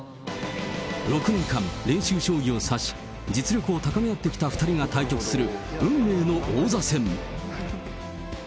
間、練習将棋を指し、実力を高め合ってきた２人が対局する運命の王座戦。